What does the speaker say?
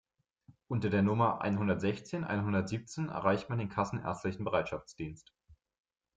Unter der Nummer einhundertsechzehn einhundertsiebzehn erreicht man den kassenärztlichen Bereitschaftsdienst.